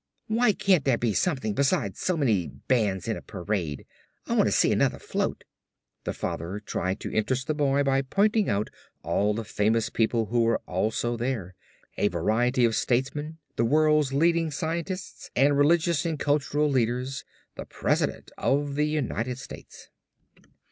"Why can't there be something besides so many bands in a parade? I wanna see another float." The father tried to interest the boy by pointing out all the famous people who were also there: a variety of statesmen the world's leading scientists and religious and cultural leaders, the president of the United States.